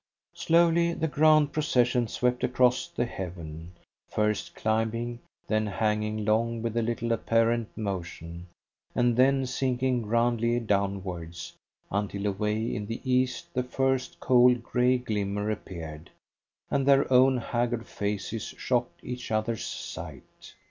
Slowly the grand procession swept across the heaven, first climbing, then hanging long with little apparent motion, and then sinking grandly downwards, until away in the east the first cold grey glimmer appeared, and their own haggard faces shocked each other's sight.